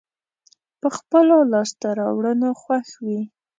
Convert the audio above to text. په خپلو لاسته راوړنو خوښ وي.